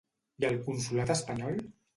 I el consolat espanyol?